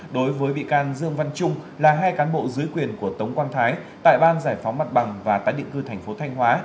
đối với bị can dương văn trung là hai cán bộ dưới quyền của tống quan thái tại ban giải phóng mặt bằng và tái định cư thành phố thanh hóa